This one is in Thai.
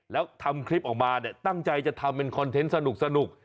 แล้วทำคลิปออกมาเนี่ยตั้งใจจะทำเป็นคอนเทนต์สนุก